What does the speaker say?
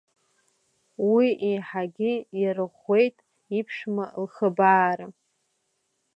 Уи еиҳагьы иарыӷәӷәеит иԥшәма лхыбаара.